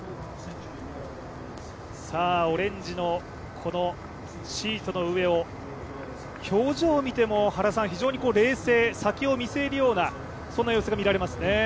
オレンジのこのシートの上を表情を見ても、非常に冷静、先を見据えるような様子が見られますね。